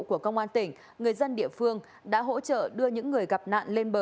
của công an tỉnh người dân địa phương đã hỗ trợ đưa những người gặp nạn lên bờ